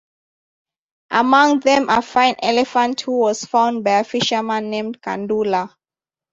Among them a fine elephant who was found by a fisherman named "Kandula".